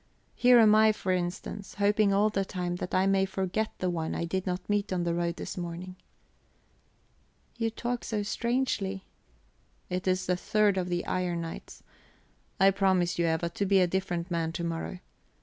Here am I, for instance, hoping all the time that I may forget the one I did not meet on the road this morning..." "You talk so strangely." "It is the third of the iron nights. I promise you, Eva, to be a different man to morrow.